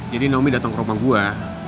jadi naomi dateng ke rumah gue